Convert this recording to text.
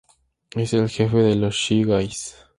Es el jefe de los Shy Guys.